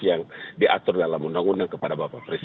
yang diatur dalam undang undang kepada bapak presiden